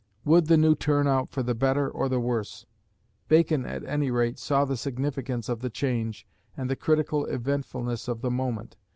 Would the new turn out for the better or the worse? Bacon, at any rate, saw the significance of the change and the critical eventfulness of the moment.